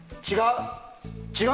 違う？